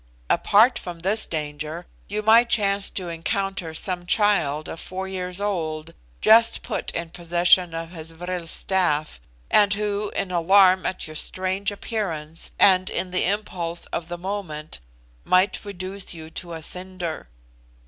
Apart from this danger, you might chance to encounter some child of four years old, just put in possession of his vril staff; and who, in alarm at your strange appearance, and in the impulse of the moment, might reduce you to a cinder.